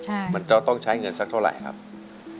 อเรนนี่คือเหตุการณ์เริ่มต้นหลอนช่วงแรกแล้วมีอะไรอีก